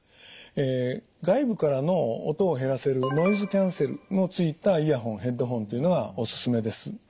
外部からの音を減らせるノイズキャンセルのついたイヤホンヘッドホンというのがおすすめです。